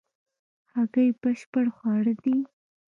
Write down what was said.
هګۍ بشپړ خواړه دي